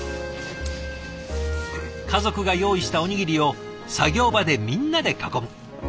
家族が用意したおにぎりを作業場でみんなで囲む。